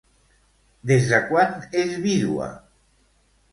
Des de quan és vídua?